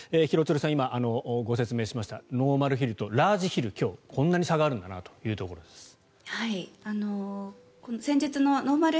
廣津留さん、今ご説明しましたノーマルヒルとラージヒルは今日、こんなに差があるんだなということです。